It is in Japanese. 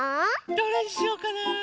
どれにしようかな。